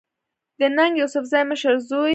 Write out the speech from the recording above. د ننګ يوسفزۍ مشر زوی